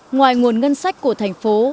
ngoài nguồn ngân sách của thành phố